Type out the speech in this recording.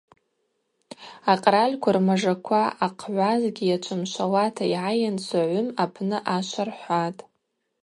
Акъральква рмажаква ъахъгӏвазгьи йачвымшвауата йгӏайын Согӏвым апны ашва рхӏватӏ.